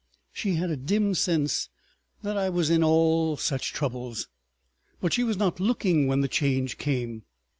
She had a dim sense that I was in all such troubles. But she was not looking when the Change came.